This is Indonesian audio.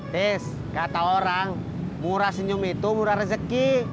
tis kata orang murah senyum itu murah rezeki